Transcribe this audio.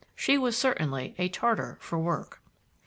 She was certainly a Tartar for work.